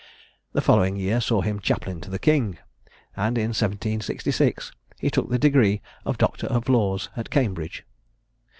The following year saw him chaplain to the King; and in 1766 he took the degree of Doctor of Laws at Cambridge.